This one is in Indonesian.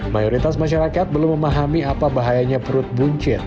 mayoritas masyarakat belum memahami apa bahayanya perut buncit